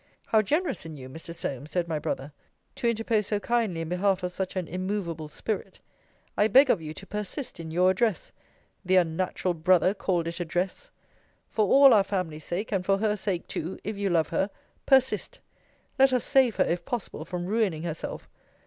How generous in you, Mr. Solmes, said my brother, to interpose so kindly in behalf of such an immovable spirit! I beg of you to persist in your address the unnatural brother called it address! For all our family's sake, and for her sake too, if you love her, persist! Let us save her, if possible, from ruining herself.